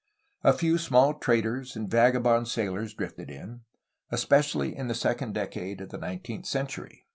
A few small traders and vagabond sailors drifted in, especially in the second decade of the nineteenth centurj.